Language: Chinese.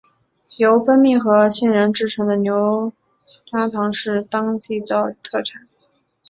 由蜂蜜和杏仁制作的牛轧糖是当地的特产。